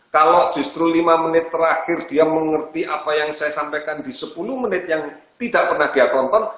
kalau justru lima menit terakhir dia mengerti apa yang saya sampaikan di sepuluh menit yang tidak pernah dia tonton